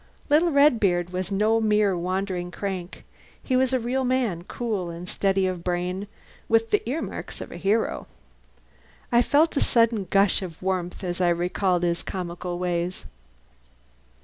Little Redbeard was no mere wandering crank he was a real man, cool and steady of brain, with the earmarks of a hero. I felt a sudden gush of warmth as I recalled his comical ways.